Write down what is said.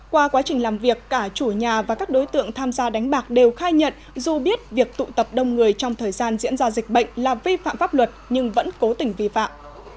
qua quá trình làm việc cả chủ nhà và các đối tượng tham gia đánh bạc đều khai nhận dù biết việc tụ tập đông người trong thời gian diễn ra dịch bệnh là vi phạm pháp luật nhưng vẫn cố tình vi phạm